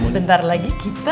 sebentar lagi kita